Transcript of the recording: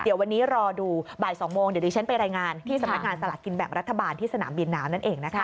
เดี๋ยววันนี้รอดูบ่าย๒โมงเดี๋ยวดิฉันไปรายงานที่สำนักงานสลากกินแบ่งรัฐบาลที่สนามบินน้ำนั่นเองนะคะ